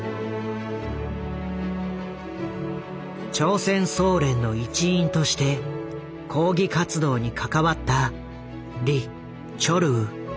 朝鮮総連の一員として抗議活動に関わったリ・チョルウ。